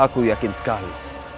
aku yakin sekali